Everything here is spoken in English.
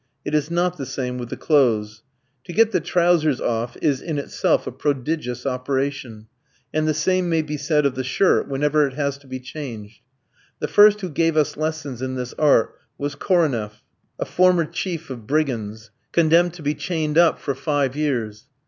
It is not the same with the clothes. To get the trousers off is in itself a prodigious operation, and the same may be said of the shirt whenever it has to be changed. The first who gave us lessons in this art was Koreneff, a former chief of brigands, condemned to be chained up for five years.